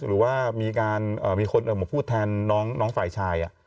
หรือว่ามีคนออกมาพูดแทนน้องฝ่ายชาย